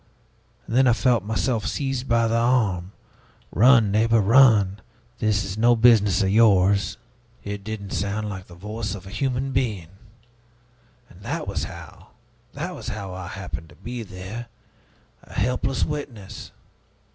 And then I felt myself seized by the arm: 'Run, neighbor, run! This is no business of yours!' It didn't sound like the voice of a human being. And that was how that was how I happened to be there, a helpless witness.